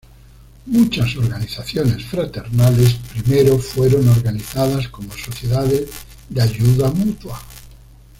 Muchas organizaciones fraternales primero fueron organizadas como sociedades de ayuda mutua.